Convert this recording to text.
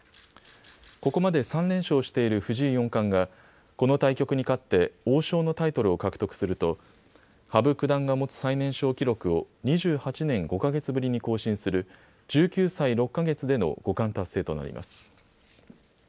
ここまで３連勝している藤井四冠がこの対局に勝って王将のタイトルを獲得すると羽生九段が持つ最年少記録を２８年５か月ぶりに更新する１９歳６か月での五冠達成となります。